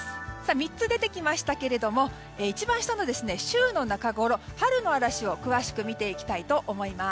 ３つ出てきましたが一番下の、週の中ごろ春の嵐を詳しく見ていきたいと思います。